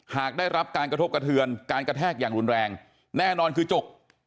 หากได้รับการกระทบกระเทือนการกระแทกอย่างรุนแรงแน่นอนคือจุก